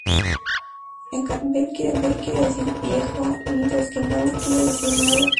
En catalán, vell quiere decir "viejo", mientras que nou quiere decir "nuevo".